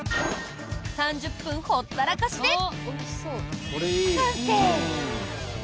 ３０分ほったらかしで完成。